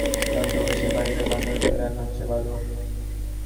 গর্তের পাশে শ্যালো ইঞ্জিনচালিত যন্ত্র বসিয়ে পাইপের মাধ্যমে তুলে আনা হচ্ছে বালু।